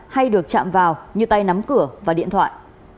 hay được chạm vào như tay nắm cửa và điện thoại